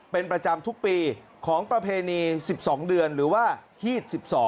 เป็นประจำทุกปีของประเพณี๑๒เดือนหรือว่าฮีด๑๒